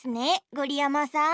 ごりやまさん。